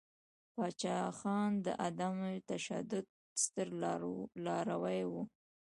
پاچاخان د عدم تشدد ستر لاروی ؤ.